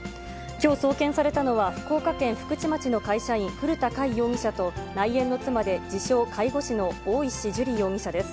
きょう送検されたのは、福岡県福智町の会社員、古田海容疑者と内縁の妻で自称、介護士の大石珠梨容疑者です。